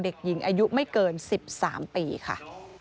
เด็กหญิงอายุไม่เกิน๑๓ปีค่ะ